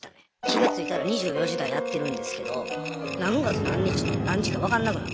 気が付いたら２４時間やってるんですけど何月何日の何時か分かんなくなっててね。